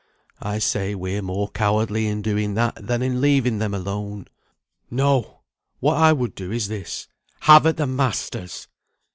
I say we're more cowardly in doing that than in leaving them alone. No! what I would do is this. Have at the masters!"